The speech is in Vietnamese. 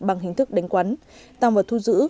bằng hình thức đánh quán tăng vật thu giữ